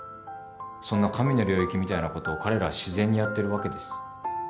そんな神の領域みたいなことを彼らは自然にやってるわけです。